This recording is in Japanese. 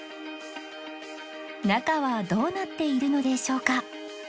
中はどうなっているのでしょうか？